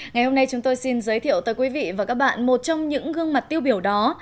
ngày hôm nay chúng tôi xin giới thiệu tới quý vị và các bạn một trong những gương mặt tiêu biểu đó